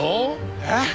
えっ？